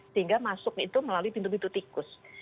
sehingga masuk itu melalui pintu pintu tikus